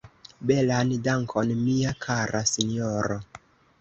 Belan dankon, mia kara sinjoro!